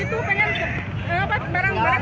sekadar mahal saya kan jualan